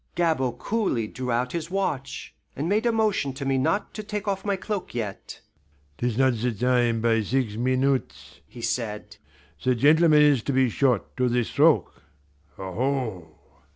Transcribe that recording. Gabord coolly drew out his watch, and made a motion to me not to take off my cloak yet. "'Tis not the time by six minutes," he said. "The gentleman is to be shot to the stroke aho!"